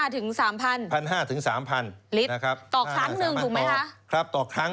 ต่อครั้งนึงถูกไหมครับ